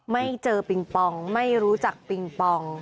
ไม่เจอปิงปองไม่รู้จักปิงปอง